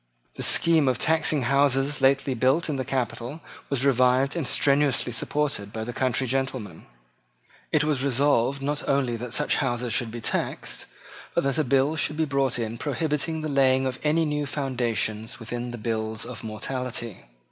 The scheme of taxing houses lately built in the capital was revived and strenuously supported by the country gentlemen. It was resolved not only that such houses should be taxed, but that a bill should be brought in prohibiting the laying of any new foundations within the bills of mortality.